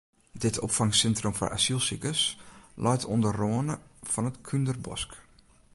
Dit opfangsintrum foar asylsikers leit oan de râne fan it Kúnderbosk.